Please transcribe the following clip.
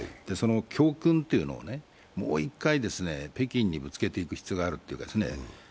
その教訓をもう一回、北京にぶつけていく必要があるというかですね。